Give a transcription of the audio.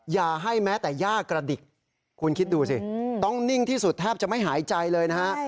อย่าให้แม้แต่ย่ากระดิกคุณคิดดูสิต้องนิ่งที่สุดแทบจะไม่หายใจเลยนะฮะ